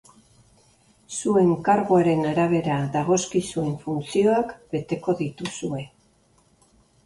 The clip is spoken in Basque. Zuen karguaren arabera dagozkizuen funtzioak beteko dituzue.